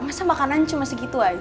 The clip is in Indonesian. masa makanannya cuma sebuah mangkok